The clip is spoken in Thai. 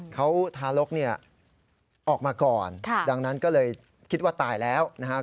เขาทารกเนี่ยออกมาก่อนดังนั้นก็เลยคิดว่าตายแล้วนะครับ